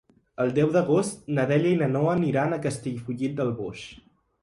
El deu d'agost na Dèlia i na Noa aniran a Castellfollit del Boix.